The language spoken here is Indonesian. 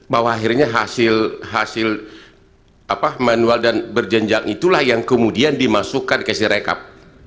bahwa akhirnya hasil manual dan berjenjang itulah yang kemudian dimasukkan ke sirekap